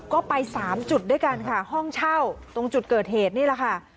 ก็ไปสามจุดด้วยกันค่ะห้องเช่าตรงจุดเกิดเหตุนี่แหละค่ะ